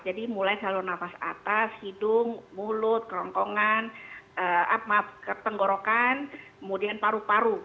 jadi mulai saluran nafas atas hidung mulut kerongkongan tenggorokan kemudian paru paru